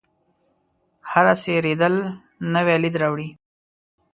هره څیرېدل نوی لید راوړي.